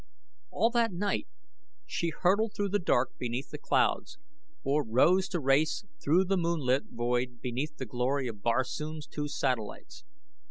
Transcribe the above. All that night she hurtled through the dark beneath the clouds, or rose to race through the moonlit void beneath the glory of Barsoom's two satellites.